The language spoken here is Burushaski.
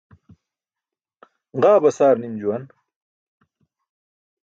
Ġa basaar nim juwan.